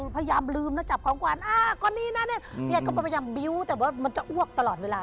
พยายามลืมกวนพี่อัยก็ประชำว่ามันจะอ้วนตลอดเวลา